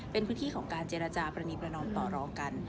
เป็นพื้นที่ของการเจรจาปรณีประนอมต่อรองกัน